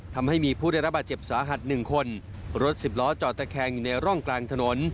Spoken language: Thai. ทำให้มีผู้ได้รับบาดเจ็บสาหัสหนึ่งคนรถสิบล้อจอดตะแคงอยู่ในร่องกลางถนน